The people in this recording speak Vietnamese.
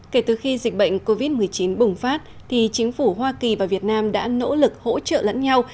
kể từ khi dịch bệnh covid một mươi chín bùng phát thì chính phủ hoa kỳ và việt nam đã nỗ lực hỗ trợ lẫn nhau